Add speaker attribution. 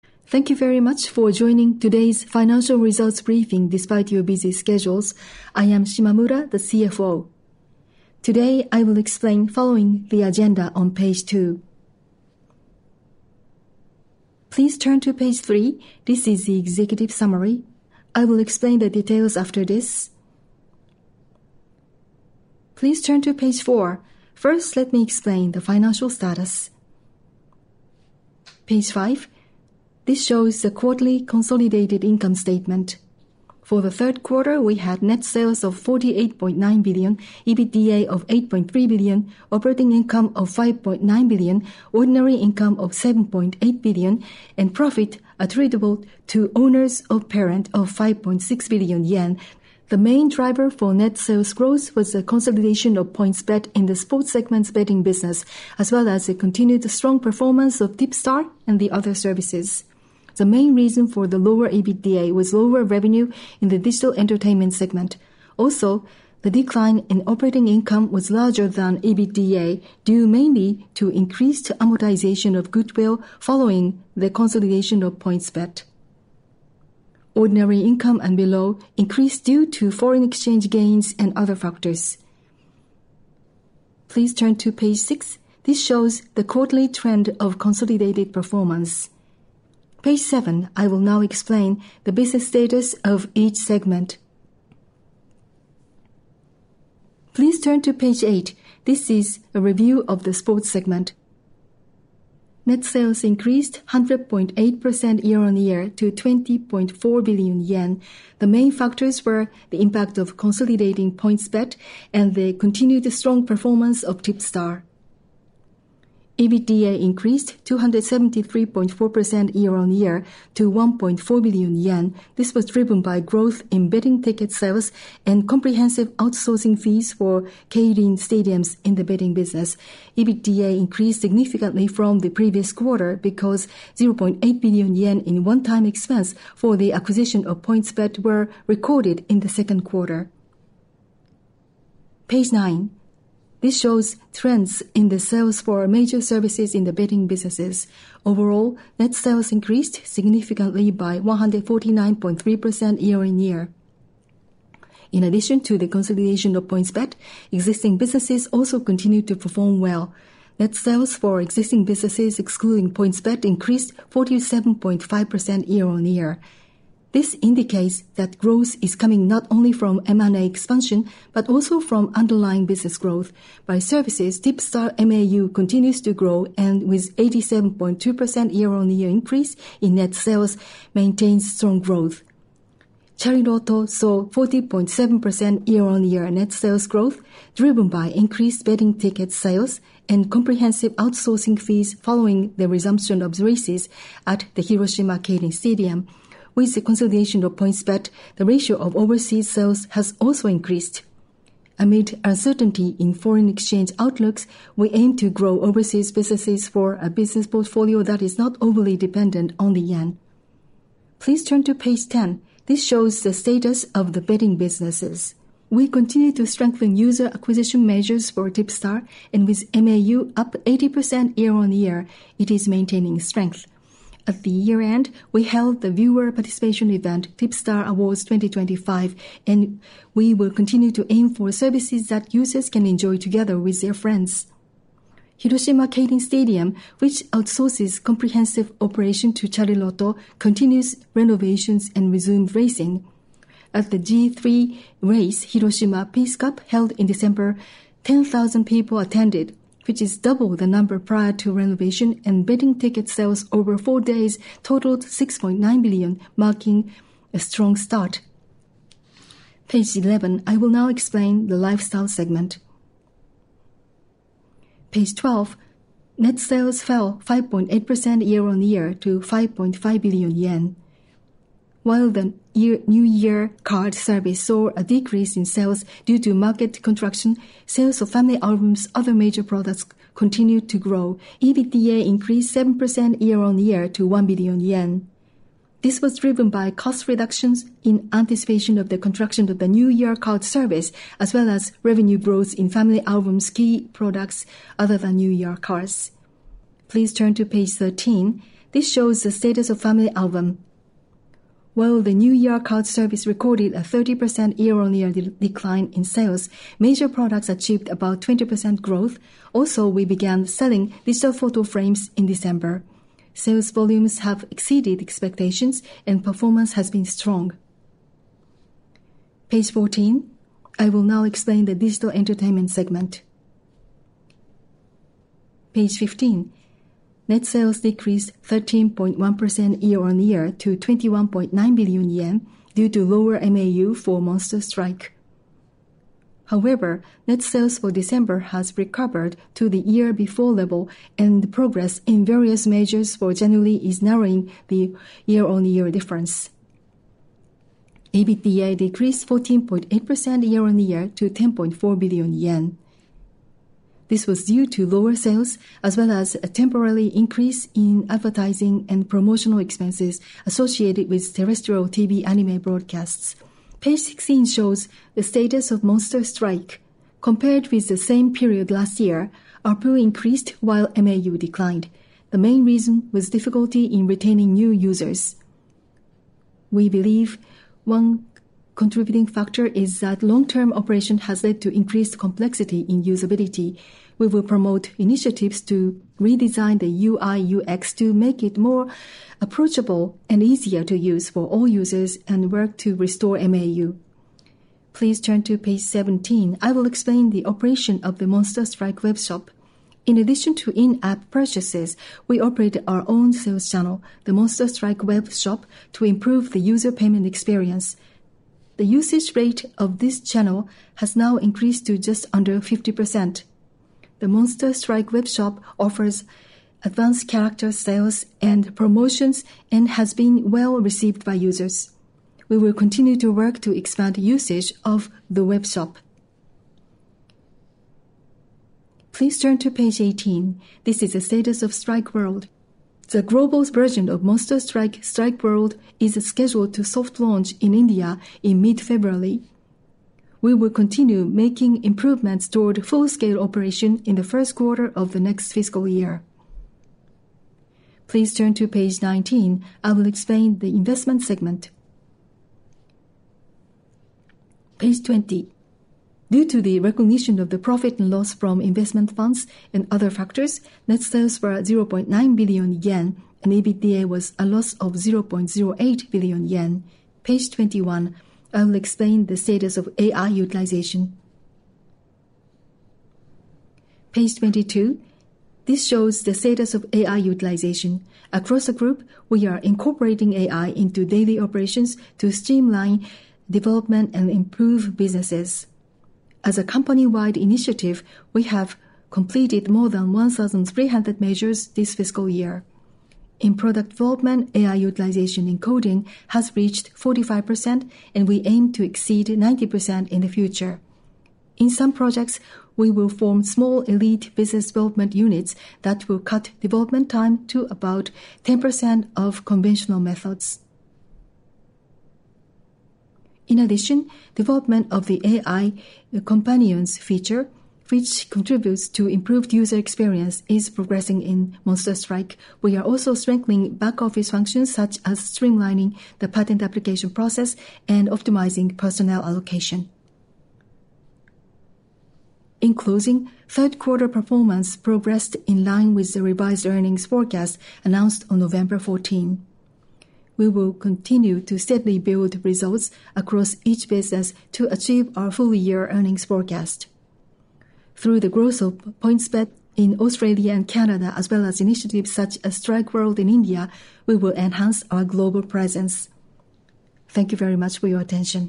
Speaker 1: Thank you very much for joining today's financial results briefing despite your busy schedules. I am Shimamura, the CFO. Today, I will explain following the agenda on page 2. Please turn to page 3. This is the executive summary. I will explain the details after this. Please turn to page 4. First, let me explain the financial status. Page 5, this shows the quarterly consolidated income statement. For the third quarter, we had net sales of 48.9 billion, EBITDA of 8.3 billion, operating income of 5.9 billion, ordinary income of 7.8 billion, and profit attributable to owners of parent of 5.6 billion yen. The main driver for net sales growth was the consolidation of PointsBet in the sports segment's betting business, as well as the continued strong performance of TIPSTAR and the other services. The main reason for the lower EBITDA was lower revenue in the digital entertainment segment. Also, the decline in operating income was larger than EBITDA, due mainly to increased amortization of goodwill following the consolidation of PointsBet. Ordinary income and below increased due to foreign exchange gains and other factors. Please turn to page 6. This shows the quarterly trend of consolidated performance. Page 7, I will now explain the business status of each segment. Please turn to page 8. This is a review of the sports segment. Net sales increased 100.8% year-on-year to 20.4 billion yen. The main factors were the impact of consolidating PointsBet and the continued strong performance of TIPSTAR. EBITDA increased 273.4% year-on-year to 1.4 billion yen. This was driven by growth in betting ticket sales and comprehensive outsourcing fees for keirin stadiums in the betting business. EBITDA increased significantly from the previous quarter because 0.8 billion yen in one-time expense for the acquisition of PointsBet were recorded in the second quarter. Page 9. This shows trends in the sales for our major services in the betting businesses. Overall, net sales increased significantly by 149.3% year-on-year. In addition to the consolidation of PointsBet, existing businesses also continued to perform well. Net sales for existing businesses, excluding PointsBet, increased 47.5% year-on-year. This indicates that growth is coming not only from M&A expansion, but also from underlying business growth. By services, TIPSTAR MAU continues to grow, and with 87.2% year-on-year increase in net sales maintains strong growth. Chariloto saw 40.7% year-on-year net sales growth, driven by increased betting ticket sales and comprehensive outsourcing fees following the resumption of the races at the Hiroshima Keirin Stadium. With the consolidation of PointsBet, the ratio of overseas sales has also increased. Amid uncertainty in foreign exchange outlooks, we aim to grow overseas businesses for a business portfolio that is not overly dependent on the yen. Please turn to page 10. This shows the status of the betting businesses. We continue to strengthen user acquisition measures for TIPSTAR, and with MAU up 80% year-on-year, it is maintaining strength. At the year-end, we held the viewer participation event, TIPSTAR Awards 2025, and we will continue to aim for services that users can enjoy together with their friends. Hiroshima Keirin Stadium, which outsources comprehensive operation to Chariloto, continues renovations and resumed racing. At the G3 race, Hiroshima Peace Cup, held in December, 10,000 people attended, which is double the number prior to renovation, and betting ticket sales over four days totaled 6.9 billion, marking a strong start. Page 11, I will now explain the lifestyle segment. Page 12, net sales fell 5.8% year-on-year to 5.5 billion yen. While the New Year card service saw a decrease in sales due to market contraction, sales of FamilyAlbum's other major products continued to grow. EBITDA increased 7% year-on-year to 1 billion yen. This was driven by cost reductions in anticipation of the contraction of the New Year card service, as well as revenue growth in FamilyAlbum's key products other than New Year cards. Please turn to page 13. This shows the status of FamilyAlbum. While the New Year card service recorded a 30% year-on-year decline in sales, major products achieved about 20% growth. Also, we began selling digital photo frames in December. Sales volumes have exceeded expectations and performance has been strong. Page 14, I will now explain the digital entertainment segment. Page 15. Net sales decreased 13.1% year-on-year to 21.9 billion yen due to lower MAU for Monster Strike. However, net sales for December has recovered to the year-before level, and progress in various measures for January is narrowing the year-on-year difference. EBITDA decreased 14.8% year-on-year to 10.4 billion yen. This was due to lower sales, as well as a temporary increase in advertising and promotional expenses associated with terrestrial TV anime broadcasts. Page 16 shows the status of Monster Strike. Compared with the same period last year, ARPU increased while MAU declined. The main reason was difficulty in retaining new users. We believe one contributing factor is that long-term operation has led to increased complexity in usability. We will promote initiatives to redesign the UI/UX to make it more approachable and easier to use for all users, and work to restore MAU. Please turn to page 17. I will explain the operation of the Monster Strike Web Shop. In addition to in-app purchases, we operate our own sales channel, the Monster Strike Web Shop, to improve the user payment experience. The usage rate of this channel has now increased to just under 50%. The Monster Strike Web Shop offers advanced character sales and promotions and has been well received by users. We will continue to work to expand usage of the web shop. Please turn to page 18. This is the status of Strike World. The global version of Monster Strike, Strike World, is scheduled to soft launch in India in mid-February. We will continue making improvements toward full-scale operation in the first quarter of the next fiscal year. Please turn to page 19. I will explain the investment segment. Page 20. Due to the recognition of the profit and loss from investment funds and other factors, net sales were 0.9 billion yen, and EBITDA was a loss of 0.08 billion yen. Page 21, I will explain the status of AI utilization. Page 22, this shows the status of AI utilization. Across the group, we are incorporating AI into daily operations to streamline development and improve businesses. As a company-wide initiative, we have completed more than 1,300 measures this fiscal year. In product development, AI utilization in coding has reached 45%, and we aim to exceed 90% in the future. In some projects, we will form small, elite business development units that will cut development time to about 10% of conventional methods. In addition, development of the AI companions feature, which contributes to improved user experience, is progressing in Monster Strike. We are also strengthening back office functions, such as streamlining the patent application process and optimizing personnel allocation. In closing, third quarter performance progressed in line with the revised earnings forecast announced on November 14. We will continue to steadily build results across each business to achieve our full year earnings forecast. Through the growth of PointsBet in Australia and Canada, as well as initiatives such as Strike World in India, we will enhance our global presence. Thank you very much for your attention.